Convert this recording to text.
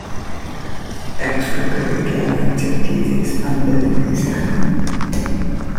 Extracurricular activities expanded in his time.